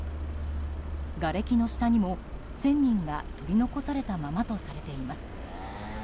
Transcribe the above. がれきの下にも１０００人が取り残されたままとされています。